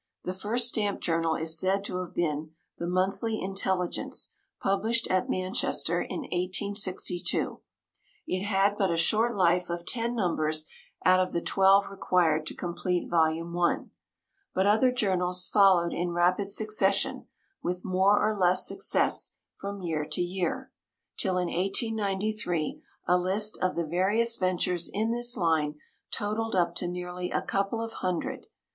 The first stamp journal is said to have been The Monthly Intelligence, published at Manchester in 1862. It had but a short life of ten numbers out of the twelve required to complete Vol. I. But other journals followed in rapid succession, with more or less success, from year to year, till in 1893 a list of the various ventures in this line totalled up to nearly a couple of hundred.